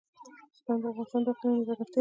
بزګان د افغانستان د اقلیم ځانګړتیا ده.